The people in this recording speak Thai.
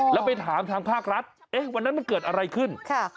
แล้วไปถามทางภาครัฐวันนั้นมันเกิดอะไรขึ้น